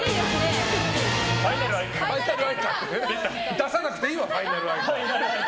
出さなくていいわファイナル愛花。